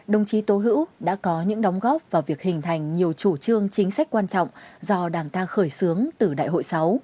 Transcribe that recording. đồng chí tố hữu đã có những đóng góp vào việc hình thành nhiều chủ trương chính sách quan trọng do đảng ta khởi xướng từ đại hội sáu